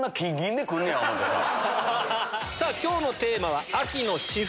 今日のテーマは。